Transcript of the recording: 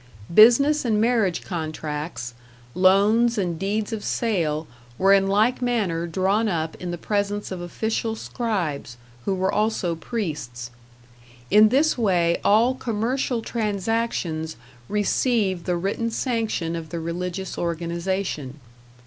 Business and marriage contracts, loans and deeds of sale were in like manner drawn up in the presence of official scribes, who were also priests. In this way all commercial transactions received the written sanction of the religious organization.